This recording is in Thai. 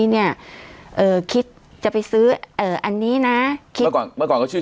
เนี้ยเอ่อคิดจะไปซื้อเอ่ออันนี้นะคิดเมื่อก่อนเมื่อก่อนก็ชื่อ